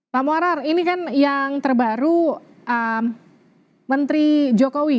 pak morar ini kan yang terbaru menteri jokowi